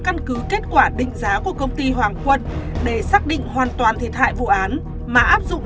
căn cứ kết quả định giá của công ty hoàng quân để xác định hoàn toàn thiệt hại vụ án mà áp dụng